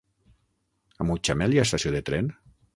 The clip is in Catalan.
A Mutxamel hi ha estació de tren?